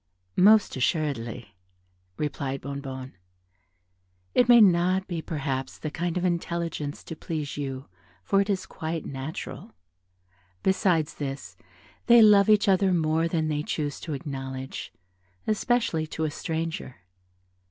"Most assuredly," replied Bonnebonne, "it may not be perhaps the kind of intelligence to please you, for it is quite natural. Besides this, they love each other more than they choose to acknowledge, especially to a stranger."